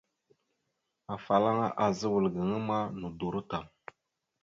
Afalaŋa azza wal gaŋa ma nodoró tam.